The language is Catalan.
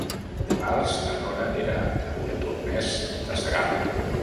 Dimarts na Nora anirà a Montornès de Segarra.